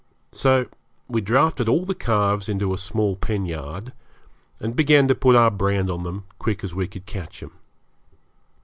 So we drafted all the calves into a small pen yard, and began to put our brand on them as quick as we could catch 'em.